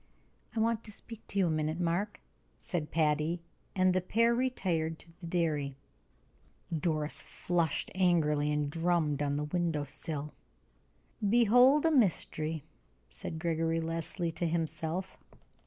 "I want to speak to you a minute, Mark," said Patty; and the pair retired to the dairy. Doris flushed angrily, and drummed on the window sill. "Behold a mystery!" said Gregory Leslie to himself.